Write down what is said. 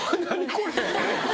これ。